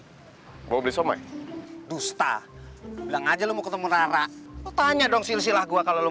hai boblisomai dusta bilang aja lu ketemu rara tanya dong silah silah gue kalau lu